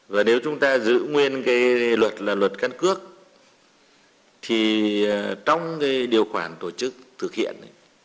và nếu chúng ta giữ nguyên cái luật là luật căn cước thì trong cái điều khoản tổ chức thực hiện